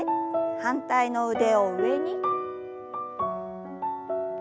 反対の腕を上に。